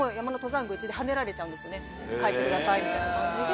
帰ってくださいみたいな感じで。